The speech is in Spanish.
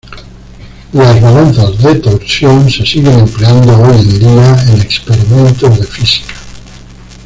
Las balanzas de torsión se siguen empleando hoy en día en experimentos de física.